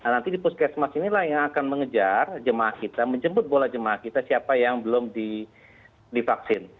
nanti di puskesmas inilah yang akan mengejar jemaah kita menjemput bola jemaah kita siapa yang belum divaksin